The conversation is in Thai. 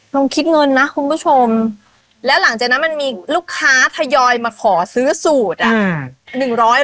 ลองคิดเงินนะคุณผู้ชมแล้วหลังจากนั้นมันมีลูกค้าทยอยมาขอซื้อสูตรอ่ะ